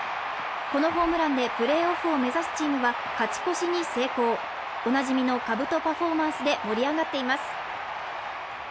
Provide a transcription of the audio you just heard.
このホームランでプレーオフを目指すチームは勝ち越しに成功おなじみのかぶとパフォーマンスで盛り上がっています